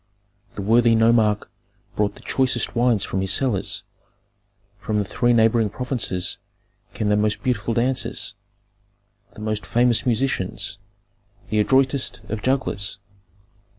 The worthy nomarch brought the choicest wines from his cellars; from the three neighboring provinces came the most beautiful dancers, the most famous musicians, the adroitest of jugglers.